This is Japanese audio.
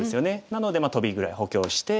なのでトビぐらい補強して。